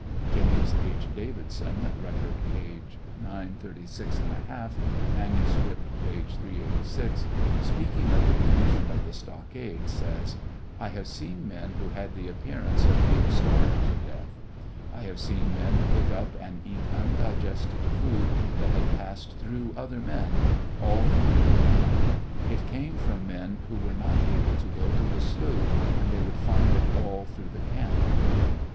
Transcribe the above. James H. Davidson, (Record, p. 936 J; manuscript, p. 386,) speaking of the condition of the stockade, says : I have seen men who had the appearance of being starved to death ; I have seen men pick up and eat undigested food that nad passed through other men, all through the camp ; it came from men who were not able to go to the slough, and they would find it all through the camp.